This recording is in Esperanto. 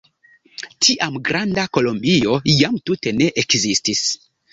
Tiam Granda Kolombio jam tute ne ekzistis.